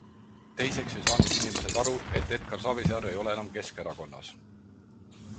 Teiseks ei saanud inimesed aru, et Edgar Savisaar ei ole enam Keskerakonnas.